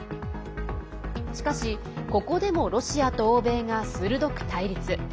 しかし、ここでもロシアと欧米が鋭く対立。